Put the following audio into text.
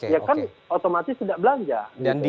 ya kan otomatis tidak belanja